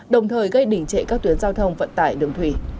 đồng thời gây đỉnh trệ các tuyến giao thông vận tải đường thủy